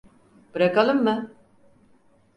Bırakalım mı?